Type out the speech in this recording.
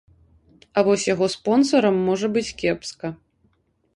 А вось яго спонсарам можа быць кепска.